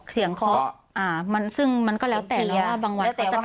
เสียงข้ออ่ามันซึ่งมันก็แล้วแต่นะว่าบางวันเขาจะทำอะไร